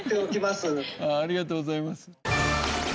ありがとうございます。